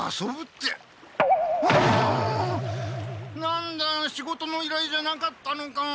なんだ仕事のいらいじゃなかったのか。